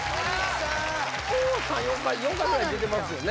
もう４回ぐらい出てますよね